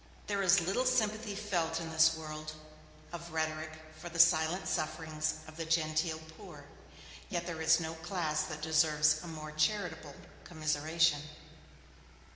There is little sympathy felt in this world of rhetoric for the silent sufferings of the genteel poor, yet there is no class that deserves a more charitable commiseration.